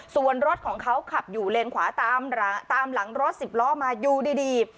ส่วนรถของเขาขับอยู่เลนขวาตามหลังรถสิบล้อมาอยู่ดี